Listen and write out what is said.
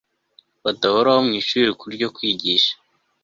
badahoraho mu ishuri rikuru ryo kwigisha